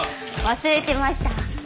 忘れてました。